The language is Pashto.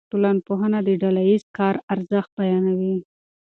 ټولنپوهنه د ډله ایز کار ارزښت بیانوي.